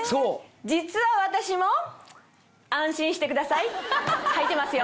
実は私も安心してくださいはいてますよ。